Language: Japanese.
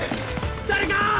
誰か！